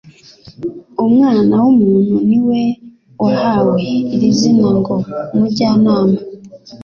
"Umwana w'umuntu ni we wahawe iri zina ngo "Umujyanama,